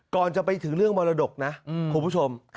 ก่อนจะไปถึงเรื่องมรดกนะคุณผู้ชม